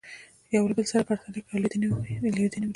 یو له بل سره یې پرتله کړئ او لیدنې ولیکئ.